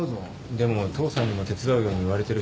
でも父さんにも手伝うように言われてるし。